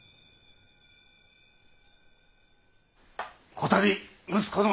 こたび息子の